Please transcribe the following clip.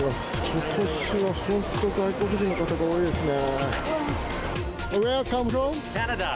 ことしは本当、外国人の方が多いですね。